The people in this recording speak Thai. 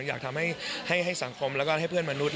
อยากให้สังคมแล้วก็ให้เพื่อนมนุษย